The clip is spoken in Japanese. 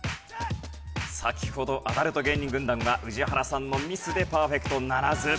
先ほどアダルト芸人軍団は宇治原さんのミスでパーフェクトならず。